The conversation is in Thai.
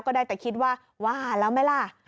ได้แต่คิดว่าว่าแล้วไหมล่ะ